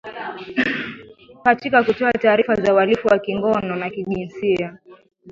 katika kutoa taarifa za uhalifu wa kingono na kijinsia